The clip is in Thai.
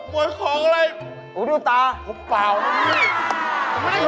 ขโมยของอะไรเราดูตามีปาวน่ะพี่